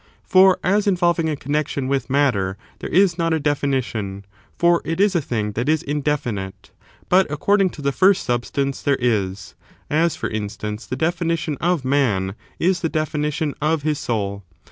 For as involving a connexion with niatter there is not a definition (for it is a. thing that i§,.;^^fimte)» but according to the first substance there is; ias, for instance, the definition of man is the definition of his soul.